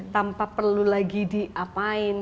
tanpa perlu lagi diapain